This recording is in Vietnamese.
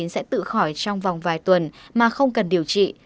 sẽ tự khỏi trong vòng vài tuần mà không cần điều trị